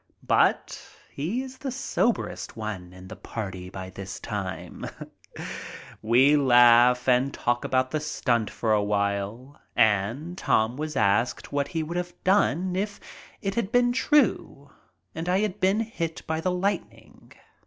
But he is the soberest one in the party by this time. We laughed and talked about the stunt for a while and 66 MY TRIP ABROAD Tom was asked what he would have done if it had been true and I had been hit by the Hghtning.